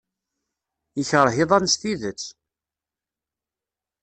Yekṛeh iḍan s tidet.